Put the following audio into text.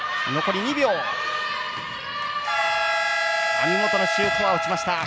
網本のシュートは落ちました。